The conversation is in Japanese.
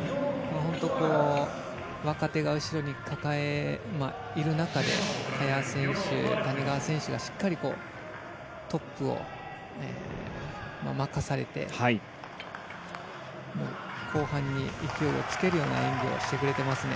本当、若手が後ろにいる中で萱選手、谷川選手がしっかりとトップを任されて後半に勢いをつけるような演技をしてくれていますね。